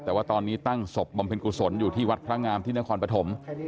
แต่ว่าตอนนี้ตั้งศพบำเพ็ญกุศลอยู่ที่วัดพระงามที่นครปฐม